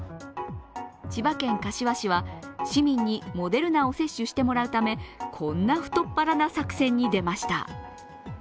千葉県柏市は市民にモデルナを接種してもらうためこんな太っ腹な作戦に出ました。